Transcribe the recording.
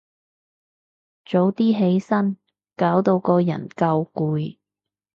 早啲起身，搞到個人夠攰